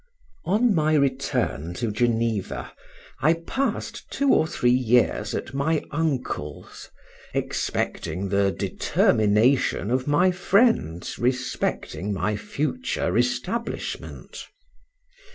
On my return to Geneva, I passed two or three years at my uncle's, expecting the determination of my friends respecting my future establishment.